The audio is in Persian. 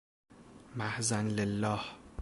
محضاً لله